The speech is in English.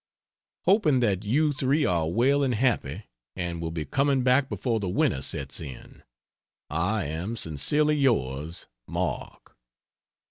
Hoping that you three are well and happy and will be coming back before the winter sets in. I am, Sincerely yours, MARK.